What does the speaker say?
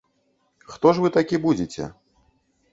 Хто ж вы такі будзеце?